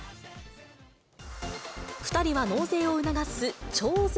２人は納税を促す徴税